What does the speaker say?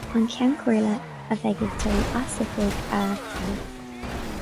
An Ceann Comhairle a bheidh ag dul as oifig a atoghadh.